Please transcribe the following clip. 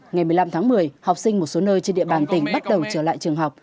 ngày một mươi năm tháng một mươi học sinh một số nơi trên địa bàn tỉnh bắt đầu trở lại trường học